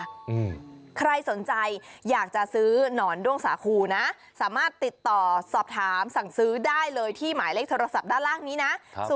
อืมใครสนใจอยากจะซื้อหนอนด้วงสาคูนะสามารถติดต่อสอบถามสั่งซื้อได้เลยที่หมายเลขโทรศัพท์ด้านล่างนี้นะครับ